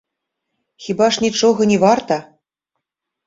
Хіба ж нічога не варта?